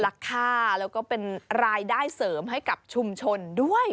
แล้วก็เพิ่มเงินราคาแล้วก็เป็นรายได้เสริมให้กับชุมชนด้วย